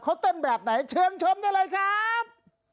เขาเต้นแบบไหนเชิญชมได้เลยครับ